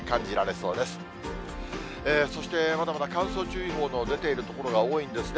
そして、まだまだ乾燥注意報の出ている所が多いんですね。